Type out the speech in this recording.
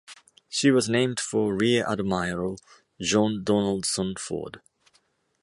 She was named for Rear Admiral John Donaldson Ford.